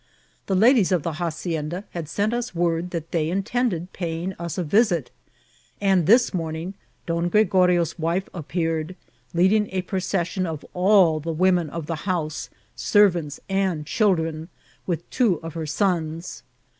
The ladies of the hacienda had sent us word that they intended paying us a visit, and this morning Don Oregorio's wife appeared, leading a procession of all the women oi the house, servants, and children, with two of her sons.